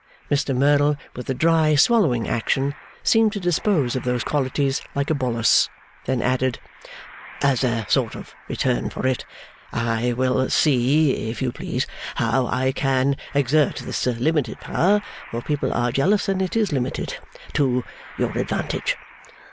Mr Merdle, with a dry, swallowing action, seemed to dispose of those qualities like a bolus; then added, 'As a sort of return for it. I will see, if you please, how I can exert this limited power (for people are jealous, and it is limited), to your advantage.